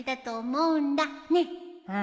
うん。